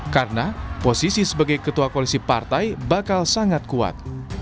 karena posisi sebagai ketua koalisi partai bakal sangat kuat